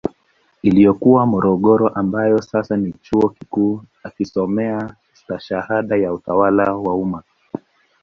Iliyokuwa morogoro ambayo sasa ni chuo kikuum akisomea stashahada ya utawala wa umma